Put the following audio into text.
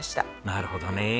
なるほどね。